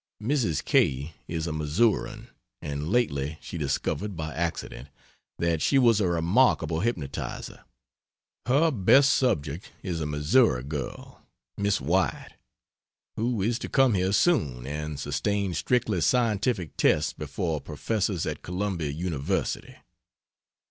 Mrs. K is a Missourian, and lately she discovered, by accident, that she was a remarkable hypnotiser. Her best subject is a Missouri girl, Miss White, who is to come here soon and sustain strictly scientific tests before professors at Columbia University.